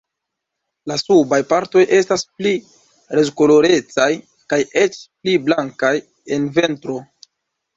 La subaj partoj estas pli rozkolorecaj kaj eĉ pli blankaj en ventro.